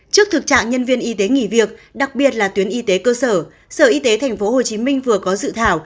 trước thực trạng nhân viên y tế nghỉ việc đặc biệt là tuyến y tế cơ sở sở y tế tp hcm vừa có dự thảo